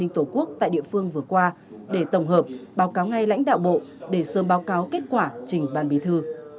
tổ quốc tại địa phương vừa qua để tổng hợp báo cáo ngay lãnh đạo bộ để sớm báo cáo kết quả trình ban bí thư